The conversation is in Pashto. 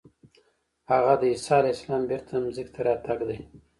هغه د عیسی علیه السلام بېرته ځمکې ته راتګ دی.